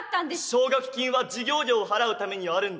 奨学金は授業料を払うためにあるんだ。